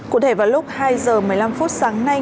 cụ thể vào lúc hai giờ một mươi năm phút sáng nay